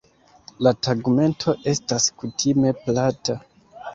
La tegmento estas kutime plata.